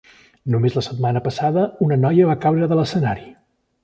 Només la setmana passada una noia va caure de l'escenari.